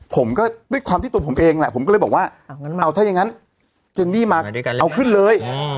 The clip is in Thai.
ผมก็ด้วยความที่ตัวผมเองแหละผมก็เลยบอกว่าเอาถ้ายังงั้นเจนนี่มาเอาขึ้นเลย